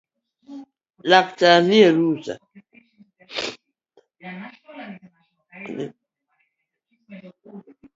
Laktar nie rusaa